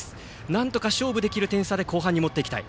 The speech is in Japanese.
なんとか勝負できる点差で後半に持っていきたい。